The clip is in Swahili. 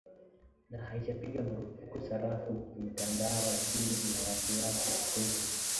na haijapiga marufuku sarafu ya kimtandao lakini ina wasiwasi kuhusu